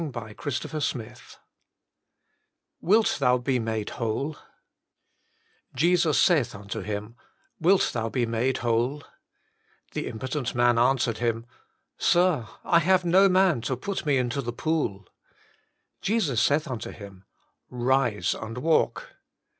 A PLEA FOR MORE PRAYER CHAPTER VIII lt Etoit fce matte "Jesus Faith unto him, Wilt thou be made whole? The impotent man answered him, Sir, I have no man to pat me into the pool. Jesns saith unto him, Rise and walk.